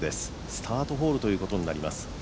スタートホールということになります。